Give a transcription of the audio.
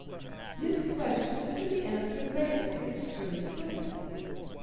This question was to be answered later in a strange way.